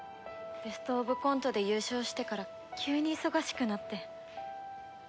ベスト・オブ・コントで優勝してから急に忙しくなって。